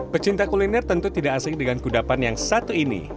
pecinta kuliner tentu tidak asing dengan kudapan yang satu ini